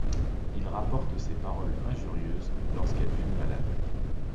Ils rapportent ses paroles injurieuses lorsqu'elle fut malade.